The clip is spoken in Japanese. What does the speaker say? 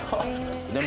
でも。